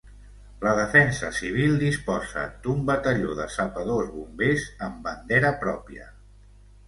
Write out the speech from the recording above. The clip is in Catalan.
La defensa civil disposa d'un batalló de Sapadors -Bombers amb bandera pròpia.